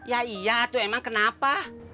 iya itu emang kenapa